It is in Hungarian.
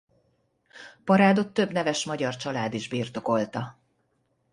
Parádot több neves magyar család is birtokolta.